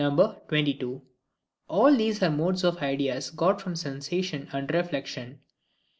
All these are modes of Ideas got from Sensation and Reflection.